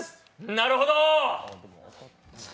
なるほどー！